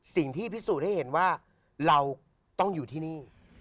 สิ่งที่พิสูจน์ให้เห็นว่าเราต้องอยู่ที่นี่